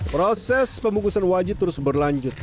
proses pembungkusan wajib terus berlanjut